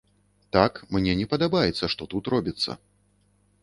Так, мне не падабаецца, што тут робіцца.